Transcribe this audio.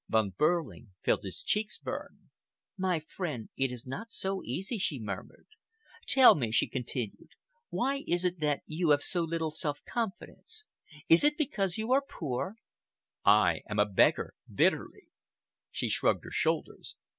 Von Behrling felt his cheeks burn. "My friend, it is not so easy," she murmured. "Tell me," she continued, "why it is that you have so little self confidence. Is it because you are poor?" "I am a beggar,"—bitterly. She shrugged her shoulders.